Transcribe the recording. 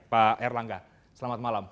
pak erlangga selamat malam